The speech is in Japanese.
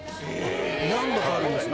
何度かあるんですね。